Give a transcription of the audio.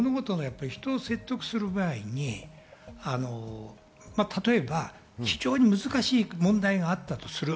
物事の、人を説得する場合、例えば非常に難しい問題があったとする。